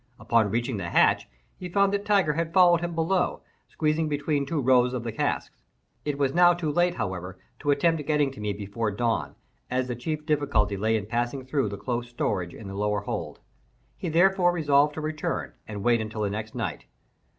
Upon reaching the hatch he found that Tiger had followed him below, squeezing between two rows of the casks. It was now too late, however, to attempt getting to me before dawn, as the chief difficulty lay in passing through the close stowage in the lower hold. He therefore resolved to return, and wait till the next night.